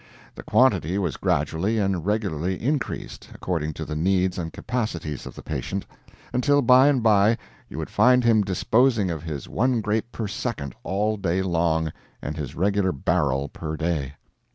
The quantity was gradually and regularly increased, according to the needs and capacities of the patient, until by and by you would find him disposing of his one grape per second all the day long, and his regular barrel per day.